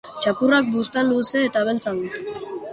Txakurrak buztan luze eta beltza du